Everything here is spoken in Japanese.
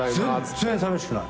全然さみしくない。